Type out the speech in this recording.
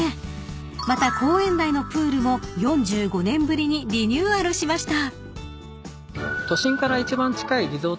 ［また公園内のプールも４５年ぶりにリニューアルしました］